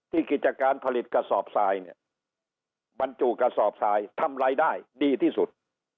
กิจการผลิตกระสอบทรายเนี่ยบรรจุกระสอบทรายทำรายได้ดีที่สุด